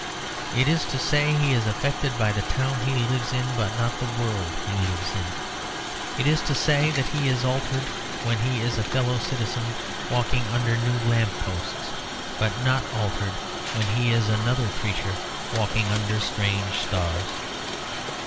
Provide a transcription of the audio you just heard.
It is to say he is affected by the town he lives in, but not by the world he lives in. It is to say that he is altered when he is a fellow citizen walking under new lamp posts, but not altered when he is another creature walking under strange stars.